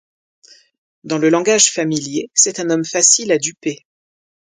Dans le langage familier, c'est un homme facile à duper.